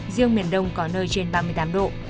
riêng miền đông có nơi trên ba mươi tám độ